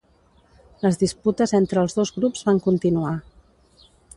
Les disputes entre els dos grups van continuar.